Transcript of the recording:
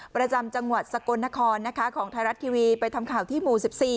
ประจำจังหวัดสกลนครนะคะของไทยรัฐทีวีไปทำข่าวที่หมู่๑๔